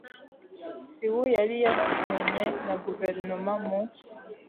Sioux yari yasinyanye na guverinoma mu .